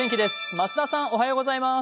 増田さんおはようございます。